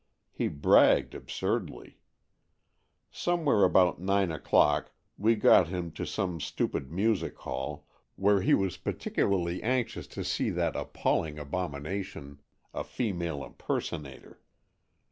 He bragged absurdly. Some where about nine o'clock we got him to some stupid music hall, where he was particularly anxious to see that appalling abomination, a " female impersonator."